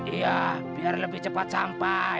iya biar lebih cepat sampai